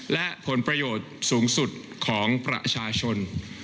และผลประโยชน์สูงสุดของประชาชน